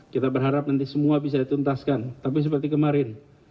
kita berharap nanti semua bisa dituntaskan tapi seperti kemarin